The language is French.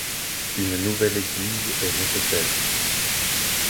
Une nouvelle église est nécessaire.